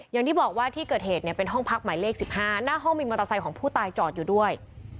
อย่างที่บอกว่าที่เกิดเหตุเนี่ยเป็นห้องพักหมายเลข๑๕หน้าห้องมีมอเตอร์ไซค์ของผู้ตายจอดอยู่ด้วย